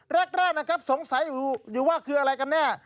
แรกนะครับสงสัยอยู่ว่าคืออะไรกันแน่